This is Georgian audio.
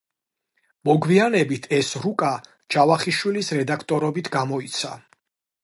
მოგვიანებით ეს რუკა ჯავახიშვილის რედაქტორობით გამოიცა.